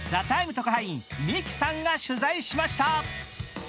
特派員ＭＩＫＩさんが取材しました。